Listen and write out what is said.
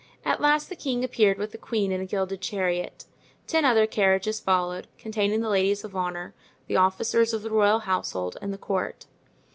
At last the king appeared with the queen in a gilded chariot. Ten other carriages followed, containing the ladies of honor, the officers of the royal household, and the court.